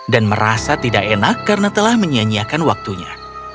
dan merasa tidak enak karena telah menyianyiakan waktunya